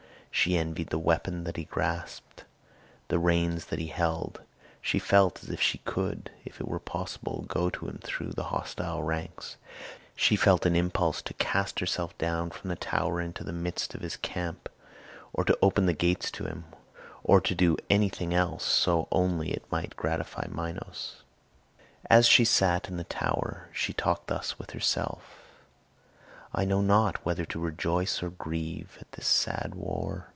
She envied the weapon that he grasped, the reins that he held. She felt as if she could, if it were possible, go to him through the hostile ranks; she felt an impulse to cast herself down from the tower into the midst of his camp, or to open the gates to him, or to do anything else, so only it might gratify Minos. As she sat in the tower, she talked thus with herself: "I know not whether to rejoice or grieve at this sad war.